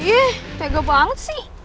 ih tega banget sih